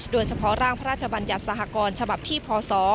โดยเฉพาะร่างพระราชบัญญัติสหกรฉบับที่พศ